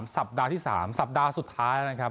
สัปดาห์ที่๓สัปดาห์สุดท้ายนะครับ